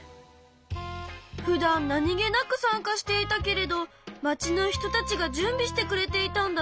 ふだん何気なく参加していたけれどまちの人たちが準備してくれていたんだね。